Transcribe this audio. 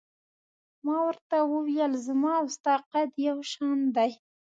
ما ورته وویل: زما او ستا قد یو شان دی.